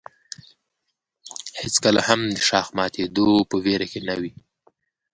هېڅکله هم د شاخ د ماتېدو په ویره کې نه وي.